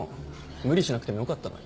無理しなくてもよかったのに。